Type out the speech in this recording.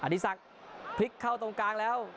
ดีศักดิ์พลิกเข้าตรงกลางแล้ว